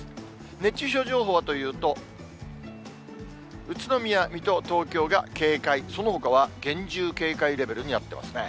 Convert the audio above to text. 熱中症情報というと、宇都宮、水戸、東京が警戒、そのほかは厳重警戒レベルになってますね。